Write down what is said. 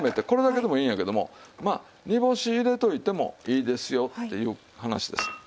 これだけでもいいんやけども煮干し入れておいてもいいですよっていう話です。